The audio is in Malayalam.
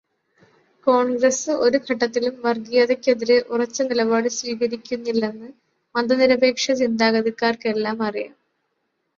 കോൺഗ്രസ് ഒരു ഘട്ടത്തിലും വർഗീയതയ്ക്കെതിരേ ഉറച്ച നിലപാട് സ്വീകരിക്കുന്നില്ലെന്ന് മതനിരപേക്ഷ ചിന്താഗതിക്കാർക്കെല്ലാം അറിയാം.